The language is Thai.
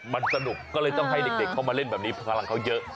มันสนุกก็เลยต้องให้เด็กเข้ามาเล่นแบบนี้พลังเขาเยอะ